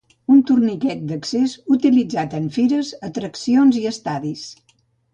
Un torniquet d'accés utilitzat en fires, atraccions i estadis.